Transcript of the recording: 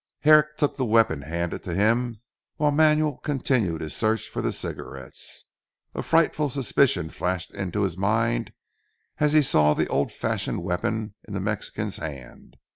Herrick took the weapon handed to him while Manuel continued his search for the cigarettes. A frightful suspicion flashed into his mind as he saw the old fashioned weapon in the Mexican's hand.